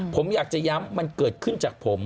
ผมอยากจะย้ำมันเกิดขึ้นจากผม